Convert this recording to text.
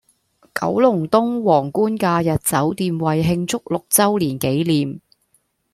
九龍東皇冠假日酒店為慶祝六週年紀念